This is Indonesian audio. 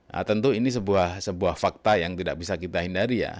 nah tentu ini sebuah fakta yang tidak bisa kita hindari ya